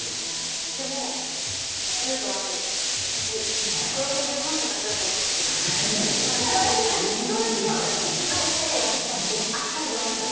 でも、言うと悪い、私、１６０万とかすると思ってたから、払えない、どうしようとか言って、温めました。